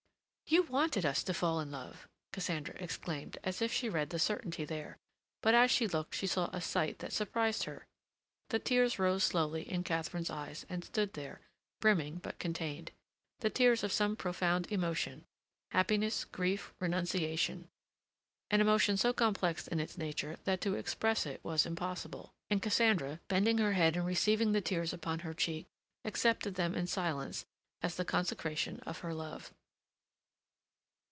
"You wanted us to fall in love," Cassandra exclaimed, as if she read the certainty there. But as she looked she saw a sight that surprised her. The tears rose slowly in Katharine's eyes and stood there, brimming but contained—the tears of some profound emotion, happiness, grief, renunciation; an emotion so complex in its nature that to express it was impossible, and Cassandra, bending her head and receiving the tears upon her cheek, accepted them in silence as the consecration of her love.